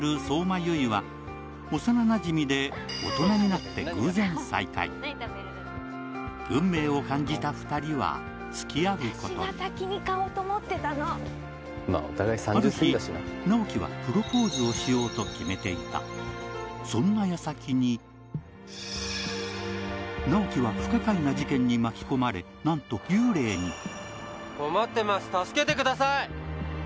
悠依は幼なじみで大人になって偶然再会運命を感じた２人はつきあうことにある日直木はプロポーズをしようと決めていたそんな矢先に直木は不可解な事件に巻き込まれなんと幽霊に待ってます助けてください！